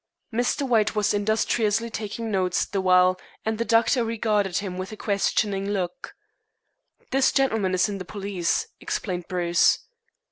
Mr. White was industriously taking notes the while, and the doctor regarded him with a questioning look. "This gentleman is in the police," explained Bruce.